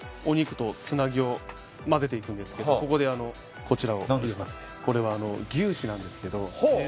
お肉とつなぎを混ぜていくんですけどここでこちらをこれは牛脂なんですけど。